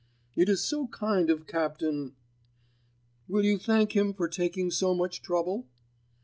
"It is so kind of Captain ——. Will you thank him for taking so much trouble?"